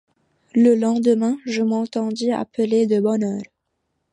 Le lendemain, je m’entendis appeler de bonne heure.